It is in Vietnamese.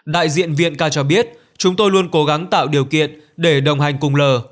đại diện viện k cho biết chúng tôi luôn cố gắng tạo điều kiện để đồng hành cùng l